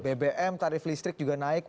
bbm tarif listrik juga naik